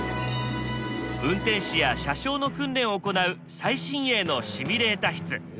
運転士や車掌の訓練を行う最新鋭のシミュレータ室。